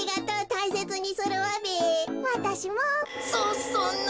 そそんな。